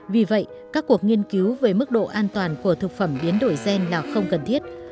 vì vậy các cuộc nghiên cứu về mức độ an toàn của thực phẩm biến đổi gen là không cần thiết